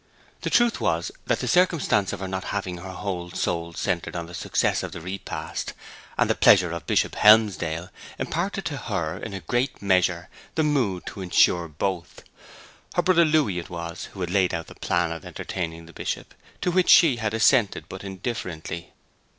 The truth was that the circumstance of her not having her whole soul centred on the success of the repast and the pleasure of Bishop Helmsdale, imparted to her, in a great measure, the mood to ensure both. Her brother Louis it was who had laid out the plan of entertaining the Bishop, to which she had assented but indifferently.